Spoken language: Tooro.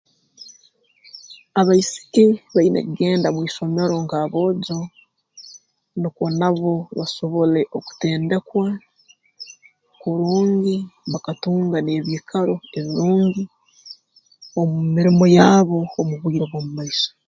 Abaisiki baine kugenda mu isomero nk'aboojo nukwo nabo basobole okutendekwa kurungi bakatunga n'ebiikaro ebirungi omu mirimo yaabo omu bwire bw'omu maiso